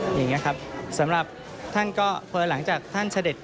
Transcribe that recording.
เพิ่มหลังที่ท่านเสด็ดก่อน